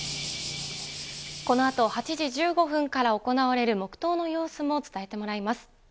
このあと８時１５分から行われる黙とうの様子も伝えてもらいます。